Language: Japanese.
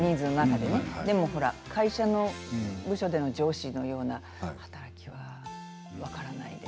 でもほら、会社の部署の中での上司のような働きは分からないです。